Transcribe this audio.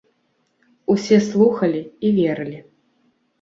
Усе слухалі і верылі.